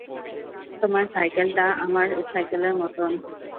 তোমার সাইকেলটা আমার সাইকেলের মতন।